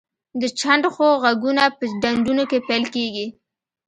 د چنډخو غږونه په ډنډونو کې پیل کیږي